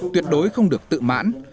tuyệt đối không được tự mãn